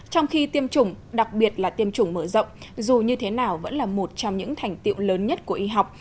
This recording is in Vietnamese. trong khi tiêm chủng đặc biệt là tiêm chủng mở rộng dù như thế nào vẫn là một trong những thành tiệu lớn nhất của y học